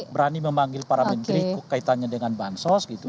berani memanggil para menteri kaitannya dengan bansos gitu